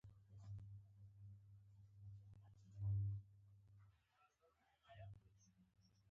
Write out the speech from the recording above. احمده! ښه وو چې بازارونه ولږېدل، گني ډېره بې خوندي وه.